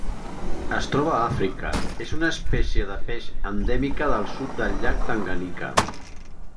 Es troba a Àfrica: és una espècie de peix endèmica del sud del llac Tanganyika.